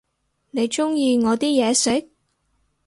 你鍾意我啲嘢食？